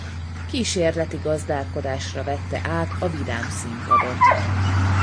Kísérleti gazdálkodásra vette át a Vidám Színpadot.